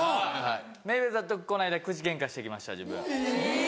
メイウェザーとこの間口ゲンカして来ました自分。